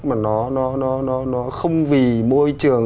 mà nó không vì môi trường